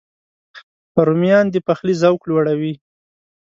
رومیان د پخلي ذوق لوړوي